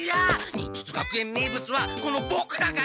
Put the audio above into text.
忍術学園名物はこのボクだから！